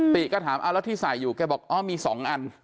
ก็ถามเอาแล้วที่ใส่อยู่แกบอกอ๋อมี๒อัน